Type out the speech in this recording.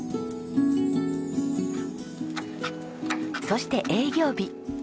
そして営業日。